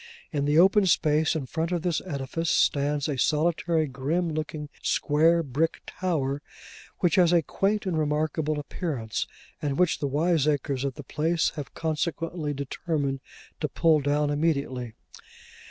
In the open space in front of this edifice, stands a solitary, grim looking, square brick tower, which has a quaint and remarkable appearance, and which the wiseacres of the place have consequently determined to pull down immediately.